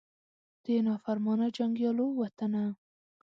د نافرمانه جنګیالو وطنه